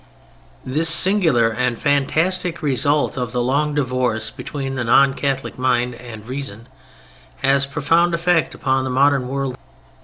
This singular and fantastic result of the long divorce between the non Catholic mind and reason has a profound effect upon the modern world.